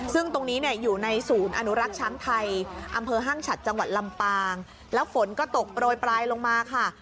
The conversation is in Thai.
ซึ่งตรงนี้เนี่ยอยู่ในศูนย์อนุรักษ์ช้างไทยอำเภอห้างฉัดจังหวัดลำปางแล้วฝนก็ตกโรยปลายลงมาค่ะ